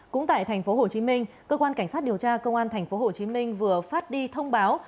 cũng tại tp hcm cơ quan cảnh sát điều tra công an tp hcm vừa phát đi thông báo